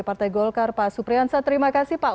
partai golkar pak supriyansa terima kasih pak